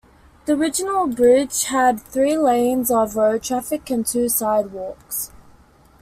The original bridge had three lanes of road traffic and two sidewalks.